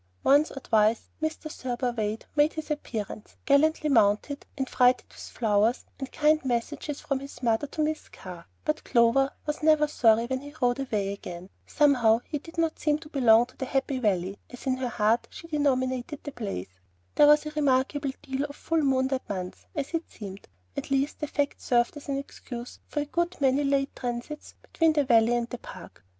Once or twice Mr. Thurber Wade made his appearance, gallantly mounted, and freighted with flowers and kind messages from his mother to Miss Carr; but Clover was never sorry when he rode away again. Somehow he did not seem to belong to the Happy Valley, as in her heart she denominated the place. There was a remarkable deal of full moon that month, as it seemed; at least, the fact served as an excuse for a good many late transits between the valley and the park.